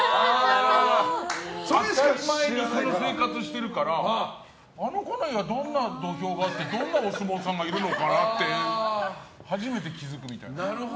当たり前にその生活をしてるからあの子の家にはどんな土俵があってどんなお相撲さんがいるのかなと初めて気づくみたいな。